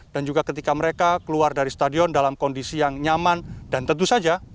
dan juga ketika mereka keluar dari stadion dalam kondisi yang nyaman dan tentu saja